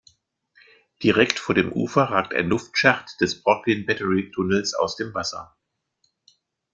Direkt vor dem Ufer ragt ein Luftschacht des Brooklyn-Battery Tunnels aus dem Wasser.